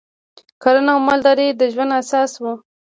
کرنه او مالداري د ژوند اساس و